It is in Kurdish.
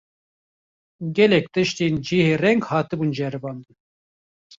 Gelek tiştên cihêreng hatibûn ceribandin